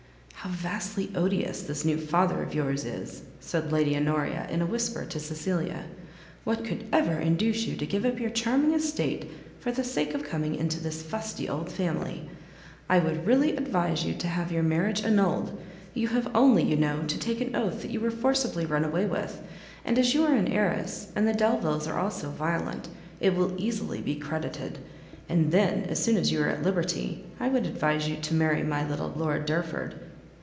"How vastly odious this new father of yours is!" said Lady Honoria, in a whisper to Cecilia; "what could ever induce you to give up your charming estate for the sake of coming into this fusty old family! I would really advise you to have your marriage annulled. You have only, you know, to take an oath that you were forcibly run away with; and as you are an Heiress, and the Delviles are all so violent, it will easily be credited. And then, as soon as you are at liberty, I would advise you to marry my little Lord Derford."